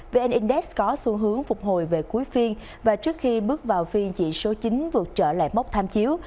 vn index có xu hướng phục hồi về cuối phiên và trước khi bước vào phiên chỉ số chín vượt trở lại mốc tham chiếu